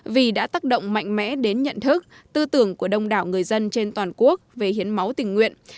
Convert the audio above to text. vì đã tác động mạnh mẽ đến nhận thức tư tưởng của đông đảo người dân trên toàn quốc về hiến máu tình nguyện